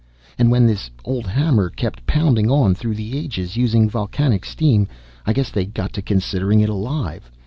"And when this old hammer kept pounding on through the ages, using volcanic steam, I guess they got to considering it alive.